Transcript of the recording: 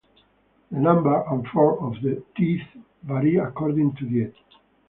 The number and form of the teeth vary according to diet.